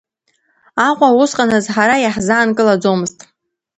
Аҟәа усҟаназ ҳара иаҳзаанкылаӡомызт.